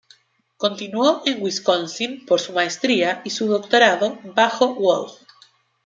Continuó en Wisconsin por su maestría y su doctorado bajo Wolfe.